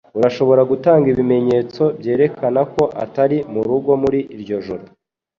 Urashobora gutanga ibimenyetso byerekana ko atari murugo muri iryo joro